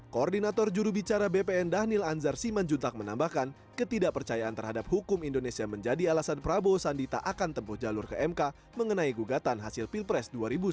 koordinator jurubicara bpn dhanil anzar siman juntak menambahkan ketidakpercayaan terhadap hukum indonesia menjadi alasan prabowo sandi tak akan tempuh jalur ke mk mengenai gugatan hasil pilpres dua ribu sembilan belas